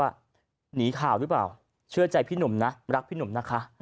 หนีข่าวหรือเปล่าเชื่อใจพี่หนุ่มนะรักพี่หนุ่มนะคะ